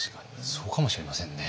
そうかもしれませんね。